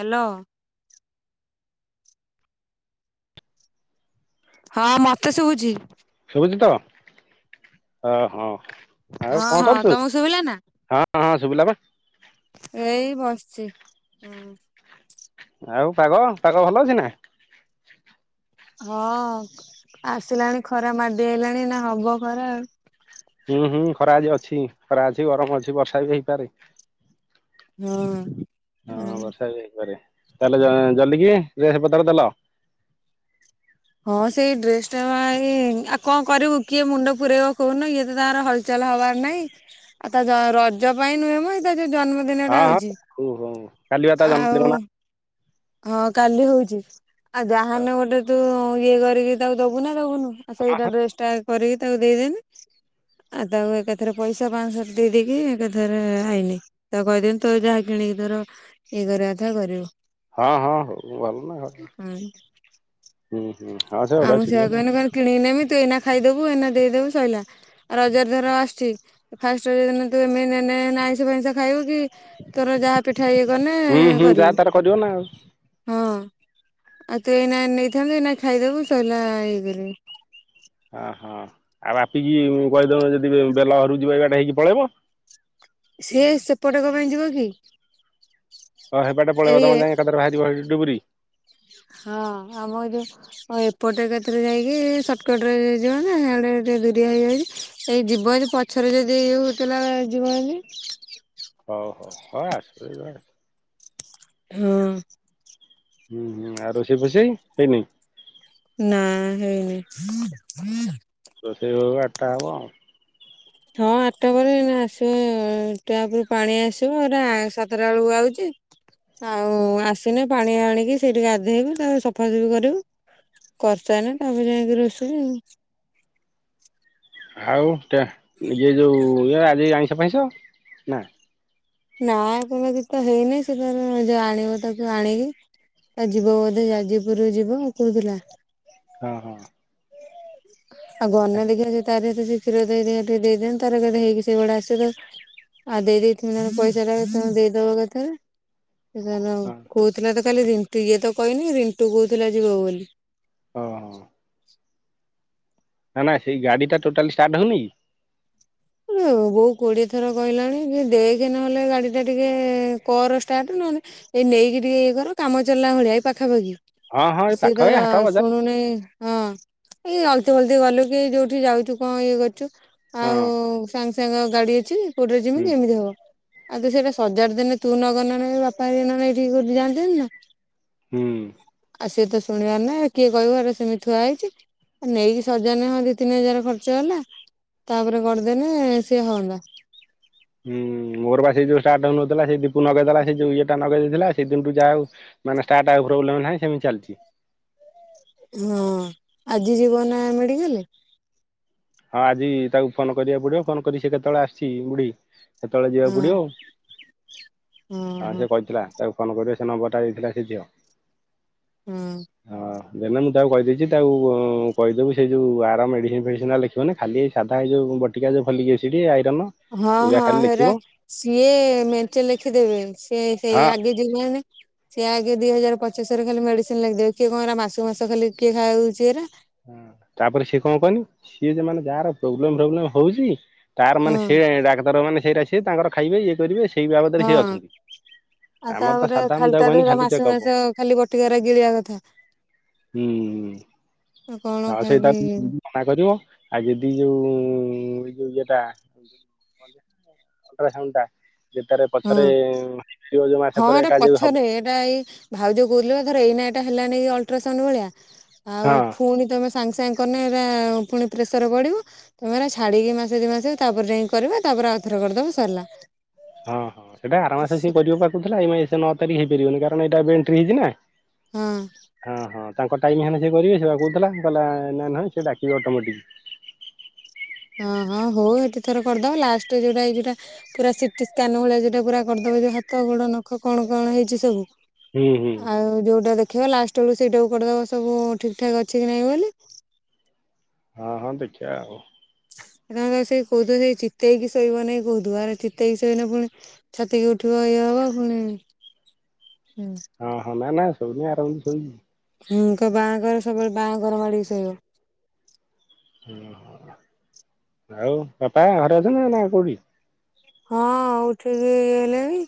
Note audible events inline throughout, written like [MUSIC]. Hello. ହଁ ମୋତେ ଶୁଭୁଛି। ଶୁଭୁଛି ତ? [INAUDIBLE] ଆ ହଁ। ଆଉ ହଁ କଣ ହଁ କରୁଛୁ? ତମକୁ ଶୁଭିଲା ନା? [INAUDIBLE] ହଁ ହଁ ଶୁଭିଲା ବା। ଏଇ ବସିଛି। [INAUDIBLE] ହୁଁ। ଆଉ ପାଗ ପାଗ ଭଲ ଅଛି ନା? ହଁ। [INAUDIBLE] ଆସିଲାଣି ଖରା ମାଡି ଆଇଲାଣି ଏଇନେ ହବ ଖରା। ଉଁ ହୁଁ ଖରା ଆଜି ଅଛି। ଖରା ଅଛି, ଗରମ ଅଛି, ବର୍ଷା ବି ହେଇପାରେ? ହୁଁ। [INAUDIBLE] ହଁ। ହୁଁ। ବର୍ଷା ବି ହେଇପାରେ? ତାହେଲେ ଜ ଜଲିକି ରେ ହେ ପତାରେ ଚାଲ। ହଁ ସେଇ ଡ୍ରେସ ଟା ପାଇଁ, ଆଉ କଣ କରିବୁ କିଏ ମୁଣ୍ଡ ପୁରାଇବ କହୁନୁ? ଇଏ ତ ତାର ହଲ ଚାଲ ହବାର ନାଇଁ [INAUDIBLE] ଆଉ ତା ଜ ରଜ ପାଇଁ ନୁହେଁ ମୋ ଇତାର ଯୋଉ ଜନ୍ମଦିନ ଟା ଆଉଛି ଓହୋ କାଲିବା ତା ଜନ୍ମଦିନ ନା? ହଁ କାଲି ହଉଛି। [INAUDIBLE] ଆଉ ଯାହାନେ ଗୋଟେ ତୁ ଇଏ କରିକି ତାକୁ ଦବୁ ନା ଦବୁନୁ? ଆଉ ସେଇଟା ଡ୍ରେସ ଟା କରିକି ତାକୁ ଦେଇଦେଲି। ଆଉ ତାକୁ ଏକାଥରେ ପଇସା ପାଞ୍ଚ, ଛଶହ ଦେଇଦେଇକି ଏକା ଥରେ ଆଇଲି। ତାକୁ କହିଦେଲି ତୁ ଏଇଟା କିଣିକି ତୋର ଇଏ କରିବା କଥା କରିବୁ। ହଁ ହଁ ହଉ ଭଲ ନା। ହୁଁ। ହୁଁ ହୁଁ। ହଉ ସେ ଅଡୁଆ ଛିଡିଵ। କିଣି ନେମି ତୁ ଏଇନା ଖାଇଦେବୁ। ଏଇନା ଦେଇଦେବୁ ସଇଲା। ରଜ ଦିନ ଆସୁଛି। [INAUDIBLE] ଫାଷ୍ଟଦିନ ତୁ ଏ ନେ ନେ ନେ ନେ ନେ ଆଇଁଷ ଫାଇଁଷ ଖାଇବୁ କି? ତୋର ଯାହା ପିଠା ଇଏ କଲେ ହୁଁ ହୁଁ ଯାହା କରିବୁ। ତାର କରିବ ନା ଆଉ [INAUDIBLE] ହଁ। ଆଉ ତ ଏଇନା ନେଇଥାନ୍ତୁ। ଏଇନା ଖାଇଦବୁ ସଇଲା ହେଇକିରି। ଓଃ [INAUDIBLE] ଆଉ ଆପିକି କହିଦେବ ଯଦି ବେଲ ହରୁଛି ଯିବ ଏଗାରଟା ହେଇକି ପଳେଇବ। ସିଏ ସେପଟେ କଣ ପାଇଁ ଯିବ କି? ହଁ ହେବାଟେ ପଳାଇବ ତମ ଏଇ ଯାଇ ଏକାଥରେ ବାହାରିଯିବ ହେଇ ଟୁବୁରି। ହଁ। ହଁ ମୁଁ ଏବେ ହଉ ଏପଟେ ଏକାଥରେ ଯାଇକି। ସଟକଟ୍ ରେ ଜିବନା ସେଆଡେ ଟିକେ ଦୁରିଆ ହେଇଯାଉଛି। ସେଇ ଯିବ ଯଦି ପ ଛରେ ଯଦି ଇଏ ହେଉଥିଲା ଯିବାନି। ହଉ ହଉ ହଉ ଆସୁ ଏ ହୁଁ। ହୁଁ ହୁଁ ଆଉ ରସେଇ ଫସେଇ ହେଇନି? ନା ହେଇନି? ରସେଇ ହେଉ ହେଉ ଆଠଟା ହବ। ହଁ ଆଠଟା ପରେ ନା ସେ ଟେପରୁ ପାଣି ଆସିବ। ହେରା ସାତଟା ବେଳକୁ ଆଉଛି। ଆଉ ଆସିନେ ପାଣି ଆଣିକି ସେଇଠି ଗାଧେଇ କି ତା ପରେ ସଫାସଫି କରିବୁ। କର୍ ସାଇଲେନି ତାପରେ ଯାଇକି ରସେଇ ଆଉ ଟ। ଇଏ ଯୋଉ ଆଜି ଆଇଁଷ ଫଇଁଷ [INAUDIBLE] ନା। ନା ସେମିତି ତ ହେଇନି। ସେ ଯା ଆଣିବ ତାକୁ ଆଣିକି ଯିବ ବୋଧେ ଯାଜପୁର ଯିବ କୋହୁଥିଲା। ହଁ। ଆଉ ଗନା ଆଜି ଦେଖି ତାର ସେ କ୍ଷୀର ଦେଇ ଟିକ ଦେଇଦିଅନ୍ତି ତାର ହେଇକି ସେଇଭଳିଆ ଆସେ ତ ଆଉ ଦେଇ ଦେଇଥିଲେ ପଇସା ଟା ତମେ ଦେଇଦବ କେତେଲେ। ସେ କ ହଁ କହୁଥିଲା ତ ଖାଲି ରିଣ୍ଟୁ ଇଏ ତ କହିନି ରିଣ୍ଟୁ କହୁଥିଲା ଯିବ ବୋଲି। ହଁ ହଁ ନା ନା ସେଇ ଗାଡି ଟା ଟୋଟାଲି ଷ୍ଟାର୍ ହଉନି? ବୋଉ କୋଡ଼ିଏ ଥର କହିଲାଣି କି ଦେଇକି ନହେଲେ ଗାଡ଼ିଟା ଟିକେ କର ଷ୍ଟାର୍ଟ ନହେନଲେ। ଏଇ ନେଇକି ଟିକେ ଇଏ କର କାମ ଚଲିଲା ଭଳିଆ ଏଇପାଖାପାଖି। ହଁ ହଁ ଏଇ ସିଏ ପାଖ ତ ଏଇ ହାଟ ବଜାର ଶୁଣୁନହି ହଁ ଏଇ ଅଲତି ଫଲଦ ଗଲୁ କି ଯୋଉଠି ଯାଉଛୁ କଣ ଇଏ କରୁଛୁ ଆଉ ହଁ ସାଙ୍ଗ ସାଙ୍ଗ ଗାଡି ଅଛି କୋଉଠରେ ହୁଁ ଯେମିତି ଏମିତି ହବ ଆଉ ତୁ ସେଇଟା ସଜାଡ ଦେଲେ ତୁ ନଗନ ବାପା ନ ନ ଟିକେ ଜାଆନ୍ତେନି ନା ହୁଁ ଆଉ ସିଏ ତ ଶୁଣିବାର ନା କିଏ କହିବାର ସେମି ଥୁଆ ହେଇଛି। ନେଇକି ସଜା ନ ହଅ ଦି ତିନି ହଜାର ଖର୍ଚ୍ଚ ହେଲା ତାପରେ କରିଦେଲେ ସିଏ ହୁଅନ୍ତା। ହୁଁ ମୋର ବା ସେ ଯୋଉ ଷ୍ଟାର୍ଟ ହାଉନଥିଲା ସେ ଦୀପୁ ନଗେଇ ଦେଲା ସେ ଯଉ ଇଏ ଟା ନଗେଇ ଦେଇଥିଲା। ସେଇଦିନଠୁ ଯାହାଉ ମାନେ ଷ୍ଟାର୍ଟ ଆଉ ପ୍ରୋବ୍ଲେମ୍ ନାହିଁ ସେମିତି ଚାଲିଛି ହଁ ଆଜି ଯିବ ନା ମେଡିକାଲ ହଁ ଆଜି ତାକୁ ଫୋନ କରିବାକୁ ପଡିବ ଫୋନ କରି ସି କେତେବେଳେ ଆସିଛି ବୁଢୀ ସେତେବେଳେ ଯିବାକୁ ହଁ ପଡିବ ହଁ ଆ ଆଉ ହଁ ସେ କହିଥିଲା। ତାକୁ କଣ କରିବେ ସେ ନମ୍ବରଟା ଦେଇଥିଲା ସେ ଝିଅ ହଁ ଦେ ମୁଁ ତାକୁ କହିଦେଇଛି ତାକୁ କହିଦେବୁ ସେଇ ଯୋଉ ଆର ମେଡିସିନ ଫେଡିସିନ ଲେଖି ତୁହେ ଖାଲି ଏଇ ସାଧା ଏଇ ଯଉ ବଟିକା ଫୋଲିକ ଏସିଡ ଆଇରନ। ହଁ ହଁ ହେରା ସିଏ ମେଞ୍ଚେ ଲେଖିଦେବେ ସିଏ ସେଇ ହଁ ଆଗେ ଯୁମାନେ ସେି ଆଗେ ଦି ହଜାରପଚିଶ ରେ ଖାଲି ମେଡିସିନ ଲାଗିଦେବ କିଏ କଣରା ମାସକୁ ମାସ ଖାଲି କିଏ ଖାଇ ହଉଛି ଏରା ହଁ ତାପରେ ସିଏ କଣ କହନି ସିଏ ଯେ ମାନେ ଯାହାର ପ୍ରୋବ୍ଲେମ ଫୋବ୍ଲେମ ହଉଛି। ତାର ହଁ ମାନେ ସେ ଡାକ୍ତର ମାନେ ସେଇ ଆସିବେ ତାଙ୍କର ଖାଇବେ ଇଏ କରିବେ ସେଇ ବାବଦରେ ସିଏ ହଁ ଅଛନ୍ତି। ଆଉ ଆମର ତ ତାପରେ ସାଧା ମୁଁ ତାକୁ ଖାଲିଟା ରେ କହିନି ଖାଲି ମାସକୁ ଚେକଅପ୍ ମାସ ଖାଲି ବଟିକ ଗିଳିବା କଥା। ହୁଁ ଆଉ କଣ ଚା ସେଇଟ ଖାଇକି ମନା କରିବ ଆଉ ଯଦି ଯୋଉ ଏଇ ଯୋଉ ଏଟା ଅଲଟ୍ରାସାଉଣ୍ଡ ଟା ଯୋରେ ହଁ ପଛରେ ଯୋ ମାସ ହଁ ପରେ ଏଟା ଯ ପଛରେ ହବ ଏଇ ଭାଉଜ କହୁଥିଲ ଧର ଏଇନା ଏଟା ହେଲାନି ଅଲଟ୍ରାସାଉଣ୍ଡ ଭଳିଆ ଆଉ ହଁ ପୁଣି ତମେ ସାଙ୍ଗେ ସାଙ୍ଗେ କନେ ହେରା ପୁଣି ପ୍ରେସର ବଢ଼ିବ ତମେ ଛାଡିକି ମାସେ ଦି ମାସେ ତାପରେ ଯାଇ କରିବ ତାପରେ ଆଉଥରେ କରିଦବ ସରିଲା। ହଁ ହଁ ସେଇଟା ଆରାମ ମାସେ ସିଏ କରିବା କହୁ ଥିଲା ଏଇ ନଅ ତାରିଖ ହେଇପାରିବନି କାରଣ ଏଇଟା ଏବେ ଏଣ୍ଟ୍ରି ହେଇଛି ନା। ହଁ ହଁ ହଁ ତାଙ୍କ ଟାଇମ ହେଲେ ସେଏ କରିବେ ସେ କହୁଥିଲା କହିଲା ନ ନଁ ସେ ଡାକିବେ ଅଟୋମେଟିକ୍ ହଁ ହଁ ହଉ ଏଠି ଥର କରିଦବ ଲାଷ୍ଟ ଯୋଉଟା ଏଇ ଯୋଉଟା। ପୁରା ସିଟି ସ୍କାନ ଭଳିଆ ସେଟା ପୁରା କରିଦବ ଯ ହାତ ଗୋଡ ନଖ କଣ କଣ ହେଇଛି ସବୁ ହୁଁ ହୁଁ ଆଉ ଯୋଉଟା ଦେଖେଇବା ଲାଷ୍ଟ ବେଳୁ ସେଇଟାକୁ କରିଦବା ସବୁ ଠିକ ଠାକ ଅଛି କି ନାଇଁ ବୋଲି। ହଁ ହଁ ଦେଖିବା ଆଉ ନା ନା ତା ସେଇ କହୁଥ ସେଇ ଚିତେଇକି ଶୋଇିବ ନାାଇ କହୁିବୁ ଆରେ ଚିତେଇକି ଶୋଇନ ପୁଣି ଛାତିକି ଉଠିବ ଇଏ ହବା ପୁଣି ହଁ ହଁ ନା ନା ଶୋନିଆ ଆରାମସେ ଶୋଇଛି। ହୁଁ ତ ବାଁ କର ସବୁବେଳେ ବାଁ କର ମାଡିକି ଶୋଇବ। ଓହୋ ଆଉ ବାପା ଘରେ ଅଛନ୍ତି ନା କୋଉଠି। ହଁ ଉଠିକି ଇଏ ହେଲେଣି।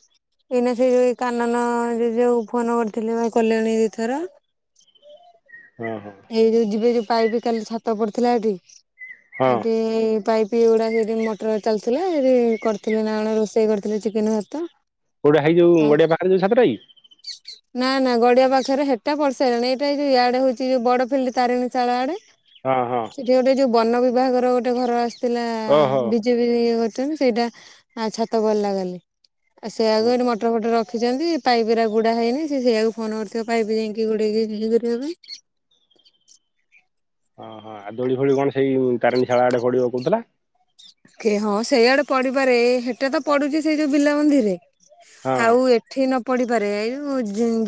ଏଇନା ସେ ଯୋଉ କାନନ ଯ ଯୋଉ ଫୋନ କରିଥିଲେ ଭାଇ କଲ୍ୟାଣୀ ଦିଇଥର। ହଁ ହଁ। ଏଇ ଯୋଉ ଯିବେ ଯୋଉ ପାଇପ୍ କାଲି ଛାତ ପଡିଥିଲା ଏଠି ହଁ ଏଠି ପାଇପ୍ ପିଗୁଡା ସେଠି ମଟର ଚାଲିଥିଲା ସେଠି କରିଥିଲେ ନା କଣ ରୋଷେଇ କରିଥିଲେ ଚିକେନ ଭାତ। କୋଉଟା ହେଇ ଯୋଉ ଆଉ ଗଡିଆ ପାଖରେ ଯଉ ଛାତଟା କି? ନା ନା ଗଡିଆ ପାଖରେ ହେଟା ପଡିସାରିଲାଣି ଏଇଟା ଏ ଯୋଉ ଇଆଡେ ହଉଛି। ସେ ଯଉ ବଡ ଫିଲ୍ଡ ତାରିଣୀ ଚାଳ ଆଡେ। ହଁ ହଁ। ଏଠି ଗୋଟେ ଯୋଉ ବନ ବିଭାଗର ଗୋଟେ ଘର ଆସିଥିଲା ଓହୋ ବିଜେ ଇଏ କରୁଛନ୍ତି ସେଇଟା ଛାତ ପଡିଲା କାଲି। ଆଉ ସେଇଆକୁ ହଁ। ଏଠି ମଟର ଫଟର ରଖିଛନ୍ତି। ପାଇପିରା ଗୁଡା ହେଇନି ସେ ସେଇଆକୁ ଫୋନ କରିଥିବ ପାଇପି ଯାଇକି ଗୋଡେଇକି ରଖିବା ପାଇଁ। ଓହୋ ଆ ଦୋଳି ଫୋଳି କଣ ସେଇ ତାରିଣୀ ଶାଳା ଆଡେ ପଡିବ କହୁଥିଲା। ହଁ ସେଇଆଡେ ପଡିପାରେ ସେଟା ତ ପଡୁଛି ସେଇ ଯୋଉ ବିଲ ମନ୍ଦିରରେ। ହଁ। ଆଉ ଏଠି ନ ପଡିପାରେ ଏଇଉ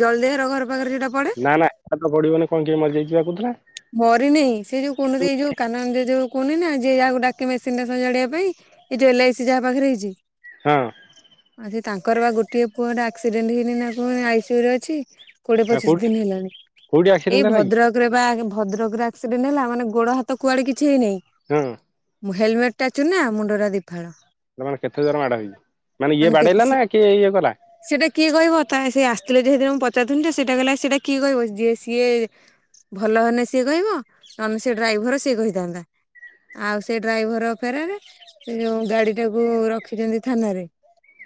ଜଲଦିର ଘର ପାଖରେ ଯୋଉଟା ପଡେ। ନା ନା ଛାତ ପଡିବନି କଣ କିଏ ମରିଯାଇଛି ବା କହୁଥିଲା। ମରିନି ସେ ଯୋଉ କହୁ ଏଇ ଯୋଉ କାନନ ଜେଜେ କହୁନ୍ତି ନା ଯେ ଯାହାକୁ ଡାକେ ମେସିନ ଟା ସଜାଡିବା ପାଇଁ। ଏଇ ଯଉ ଏଲ୍ଆଇ ସି ଯାହା ପାଖରେ ହେଇଛି। ହଁ। ଆ ସେ ତାଙ୍କର ବା ଗୋଟିଏ ପୁଅଟା ଆକ୍ସିଡେଣ୍ଟ ହେଇନି ନା କଣ ଆଇସିୟୁରେ ଅଛି। କୋଡିଏ ହଁ ପଚିଶ କୋଉଠି ଦିନ ହେଲାଣି କୋଉଠି ଆକ୍ସିଡେଣ୍ଟ ଏଇ ହେଲା କି? ଭଦ୍ରକ ବା ଭଦ୍ରକରେ ଆକ୍ସିଡେଣ୍ଟ ହେଲା ମାନେ ଗୋଡ ହାତ କୁଆଡେ କିଛି ହେଇନାହିଁ। ହଁ। ହେଲମେଟ ଟା ଚୁନା ମୁଣ୍ଡଟା ଦି ଫାଳ। ତା ମାନେ କେତେ ଜୋରରେ ମାଡ ହେଇଛି ମାନେ ଇଏ ବାଡେଇଲା କେସି ନା କିଏ ଇଏ କଲା? ସେଇଟା କିଏ କହିବ ତା ସେ ଆସିଥିଲେ ଯେହେତୁ ମୁଁ ପଚାରୁଥିଲି ତ ସେଇଟା କହିଲା ସେଇଟା କିଏ କହିବ ଯିଏ ସିଏ ଭଲ ହେନେ ସିଏ କହିବ ନହେନେ ସେ ଡ୍ରାଇଭର ସିଏ କହିଥାନ୍ତା। ଆଉ ସେ ଡ୍ରାଇଭର ଫେରାରେ ସେ ଯୋଉ ଗାଡିଟାକୁ ରଖିଛନ୍ତି ଥାନାରେ।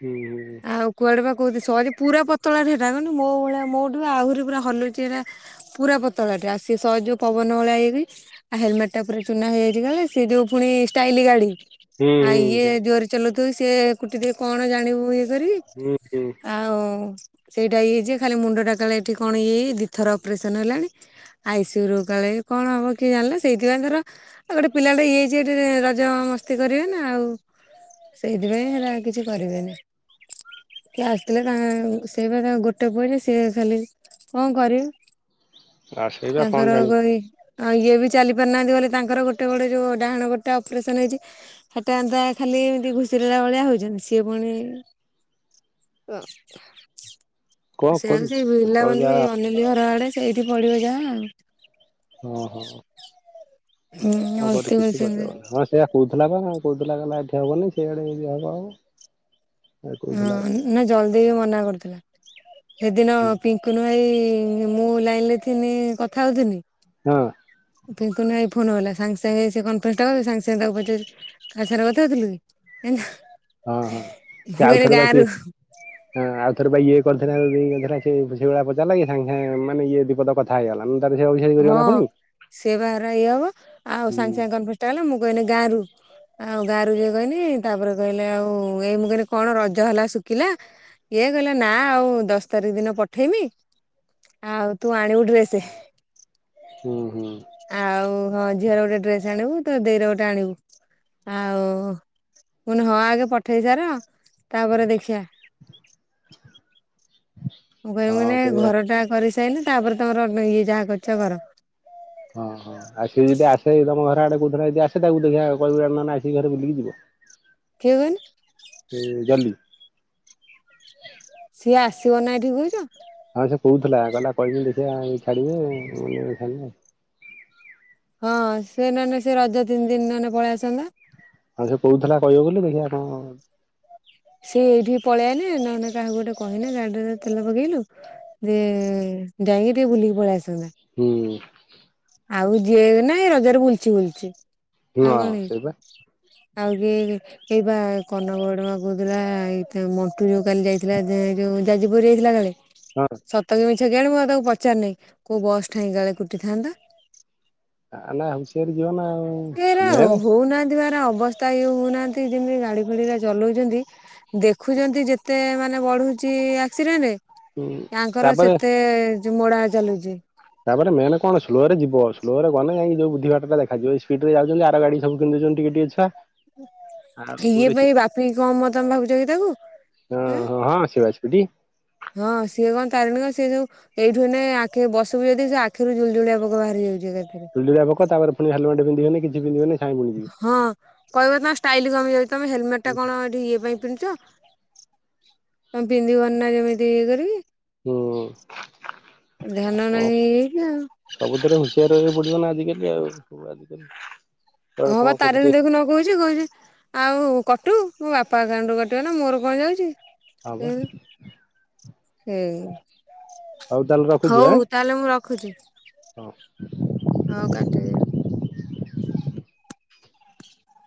ହୁଁ ହୁଁ। ଆଉ କୁଆଡ଼େ ବା କହୁ ସହଜ ପୁରା ପତଳା ଦେହଟା ମୋ ଭଳିଆ ମୋଠୁ ବି ଆହୁରି ପୁରା ହଲୁଛି ଟା ପୁରା ପତଳାଟା [UNINTELLIGIBLE] ପବନ ଭଳିଆ ହେଇକି ଆଉ ହେଲମେଟଟା ପୁର ଚୁନା ହେଇଯାଇଛି କାଳେ ସେ ଯୋଉ ପୁଣି ଷ୍ଟାଇଲି ଗାଡି। ହୁଁ ଆଉ ହୁଁ ହୁଁ ଇଏ ସେ ଜୋରରେ ଚଲଉଥିବ, ସିଏ କୁଟିଥିବ କଣ ଜାଣିବୁ ଇଏ କରିବି। ହୁଁ ହୁଁ। ସେଇଟା ଇଏ ଯେ ଖାଲି ମୁଣ୍ଡଟା କାଳେ ଏଠି କଣ ଇଏ ହେଇ ଦି ଥର ଅପରେସନ ହେଲାଣି ଆଇସିଉରୂ କାଳେ କଣ ହବ କିଏ ଜାଣିଲା ସେଇଥିପାଇଁ ତର ଆଉ ଗୋଟେ ପିଲାଟେ ଇଏ ହେଇଛି ଏଠି ରଜ ମସ୍ତି କରିବେ ନା ଆଉ। ସେଇଥିପାଇଁ ହେରା କିଛି କରିବେନି। ସିଏ ଆସିଥିଲେ ତାଙ୍କ ସେଇ ବା ତାଙ୍କ ଗୋଟେ ପୁଅ ବୋଲି ସିଏ ଖାଲି କଣ କରିବ? ଆଉ ସେଇବା କଣ ଜାଣିିବ। ଇଏ ବି ଚାଲି ପାରୁନାହାନ୍ତି ବୋଲି ତାଙ୍କର ଗୋଟେ ଗୋଡ ଯୋଉ ଡାହାଣ ଗୋଡ଼ଟା ଅପରେସନ ହେଇଛି। ସେଟାନ୍ତା ଖାଲି ଏମିତି ଘୁଷରିଲା ଭଳିଆ ହଉଛନ୍ତି ସିଏ ପୁଣି କଣ କରିବୁ ସେମିତି କେତେବେଳେ ବୁଲାବୁଲି ଯାହା ଅନ୍ୟ ଘର ଆଡେ ସେଇଠି ପଡିବ ଯାହା ଆଉ। ଓହୋ। ହୁଁ ହଉ କରି ଅଲତି କିଛି କରିଛନ୍ତି କରିହବନି ହଁ ସେଇଆ କହୁଥିଲା ବା କହୁଥିଲା କଲା ଏଠି ହବନି ସେଇଆଡେ ଯଦି ହବ ହବ। କହୁଥିଲା ହଁ ନା ଜଲଦି ବି ମନା କରୁଥିଲା। ସେଦିନ ହୁଁ ପିଙ୍କୁନୁ ଭାଇ ମୁଁ ଲାଇନ ରେ ଥିନି କଥା ହଉଥିନି ହଁ। ପିଙ୍କୁନୁ ଭାଇ ଫୋନ ଗଲା ସାଙ୍ଗେ ସାଙ୍ଗେ ସେ କନ୍ ଫେସ୍ ଟା କରିଦେଇ ସାଙ୍ଗ୍ ସାଙ୍ଗ୍ ତାକୁ ପଚାରୁଚି କାଆ ସାଙ୍ଗରେ କଥା ହଉଥିଲୁ କି ହଁ ହଁ [UNINTELLIGIBLE] ସେ ମୁଁକହିଲି ଆଉଥରେ ଗାଁ ବା ସିଏ ରୁ। ହଁ ଆଉଥର ବା ଇଏ କରିଥିଲା [UNINTELLIGIBLE] ମାନେ ଇଏ ବିପଦ କଥା ହେଇଗଲା। ତାର ସେ ଅଭିଶାରୀ କରିବ ହଁ ନା ପୁଣି ସେ ବାହାର ଇଏ ହବ ଆଉ ହୁଁ ସାଙ୍ଗେ ସାଙ୍ଗେ କନଫଷ୍ଟା ହେଲା ମୁଁ କଇଲି ଗାଁ ରୁ। ଆଉ ଗାରୁ ଇଏ କହିଲି ତାପରେ କହିଲେ ଆଉ ଏଇ ମୁଁ କହିଲି କଣ ରଜ ହେଲା ଶୁଖିଲା। ଇଏ କହିଲ ନା ଆଉ ଦଶ ତାରିଖ ଦିନ ପଠେଇମି ଆଉ ତୁ ଆଣିବୁ ଡ୍ରେସେ ହୁଁ ହୁଁ। ଆଉ ହଁ ଝିଅର ଗୋଟେ ଡ୍ରେସ ଆଣିବୁ ତ ଦେଇର ଗୋଟେ ଆଣିବୁ ଆଉହଁଆଗେ ପଠେଇ ସାର ତାପରେ ଦେଖିବା। ମୁଁ କହିମ୍ ହଁ କନି ଏ ସେଇଆ ଘର ଟା କରିସାଇନି ତାପରେ ତମର ଇଏ ଯାହା କରିଛ କର। ଓହୋ। ଆ ସେ ଯଦି ଆସେ ତମ ଘର ଆଡେ କଉଦିନ ଯଦିଆସେ, ତାକୁ ଦେଖିଥା କହିବୁ ନନା ଆସିକି ଘରଆଡ଼େ ବୁଲିକି ଯିବେ। କିଏ କଅନି? ସେ ଡଲି। ସିଏ ଆସିବ ନା ଏଠି ଦଉଚ? ହଁ ସେ କହୁଥିଲା କହିଲା କହିମି ଦେଖିଆ ଛାଡ଼ିବେ [UNINTELLIGIBLE] ହଁ ସେ ନଲେ ସେ ରଜ ତିନି ଦିନ ନହେଲେ ପଳେଇଆସନ୍ତା। ମତେ କହୁଥିଲା କହିବ ବୋଲି ଦେଖିଆ କଆଁହଉଚି। ସେ ଏଇଠିକି ପଳେଇଆଇଲେ ନହେଲେ କାହାକୁ ଗୋଟେ କହିଲେ ଗାଡିରେ ତେଲ ପକେଇଲୁ ଯେ ଯାଇକି ଟିକେ ବୁଲିକି ପଳେଇ ଆସନ୍ତେ। ହୁଁ। ଆଉ ଯିଏ ନାଇ ରଜରେ ବୁଲଚି ବୁଲଚି ଆଉ ହଁ କଣ କି? ସେଇବା ଆଉ କେ ଏଇ ବା କନକବଡମା କହୁଥିଲା ଏ ମଣ୍ଟୁ ଯୋଉ କାଲି ଯାଇଥିଲା ଯୋଉ ଯାଜପୁରୀ ଯାଇଥିଲା କାଳେ? ହଁ ସତକି ମିଛ କି ଆଣ ମୁଁ ଆଉ ତାକୁ ପଚାରି ନାହିଁ କୋଉ ବସ୍ ଠାଇଁ କଳେ କୁଟିଥାନ୍ତା? ଆ ନା ଆମ୍ ଶେନ୍ତି ଯିବ ନା ମେନ ହଉନାହନ୍ତି ବା ଏଉରା ଅବସ୍ଥା ଇଏ ହେଉନାହାନ୍ତି ଯେମିତି ଗାଡ଼ି ଫାଡ଼ିରା ଚଲାଉଚ଼ନ୍ତି ଦେଖୁଛନ୍ତି ଯେତେ ମାନେ ବଢୁଛି ଆକ୍ସିଡେଣ୍ଟ ଉଁ ତାଙ୍କର ତାପରେ ସେତେ ଯ ମଡା ଚାଲୁଚି ତାପରେ ମେନ୍ କଣ ସ୍ଲୋରେ ଯିବ ସ୍ଲୋ ରେ ଗଲେ ଯାଇଁକି ଯୋଉ ବୁଦ୍ଧିବାଟଟା ଦେଖା ଯିବ ସ୍ପିଡ୍ ରେ ଯାଉଛନ୍ତି ଆର ଗାଡି ସବୁପେଲୁଛନ୍ତି ଟିକେ ଟିକେ। ପା। ଇଏ ପା ଏ ବାପି କି କମ ତମେ ଭାବୁଛ କି ତାକୁ? ହଁ ଆଁ ହଁ ହଁ ସେ ବା ସ୍ପିଡି ହଁ ସିଏ କଣ ତାରିଣୀଙ୍କ ସିଏ ଯୋଉ ଏଇଠୁ ଏଇନା କେ ଆଖ ବସବୁ ଯଦି ସେ ଆଖିରୁ ଜୁଲ ଜୁଳିଆ ପୋକ ବାହାରି ଯାଉଛି ଏକାଥେରେ। ଜୁଳିଗୁଳିଆ ପୋକ ତାପରେ ପୁଣି ହେଲେମେଟେ ପିନ୍ଧିବେ ନି କିଛି ପିନ୍ଧିବେନି। ସାଇଁ ବୁଣିଯିବେ। ହଁ କହିବ ତମ ଷ୍ଟାଇଲ କମିଯାଉଚି ତମେ ହେଲମେଟ ଟା କଣ ଇଏ ପାଇଁ ପିନ୍ଧୁଚ ତମେ ପିନ୍ଧିବ ନା ଯେମିତି ଇଏ କରିକି। ହୁଁ। ଧ୍ୟାନ କଣ ନାହିଁ ଏଇକା ସବୁଥିରେ ହୁସିଆର ରହିବାକୁ ପଡିବ ନା ଆଜିକାଲି ଆଉ ସବୁ ଆଜିକାଲି ହଁ ବା ତାରିଣୀ ଦେଖୁ ନ କହୁଛି କଉଚି ଆଉ କଟୁ ମୋ ବାପା ଏକାଉଣ୍ଟରୁ କଟିବ ନା ମୋର କଣ ଯାଉଛି। ହଁ ବା ଏଇ ହଉ ତାହେଲେ ରଖୁଛି ଆଁ ହଉ, ତାହେଲେ ମୁଁ ରଖୁଛି। ହଁ। ହଉ, କାଟିଦେ।